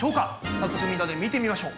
早速みんなで見てみましょう。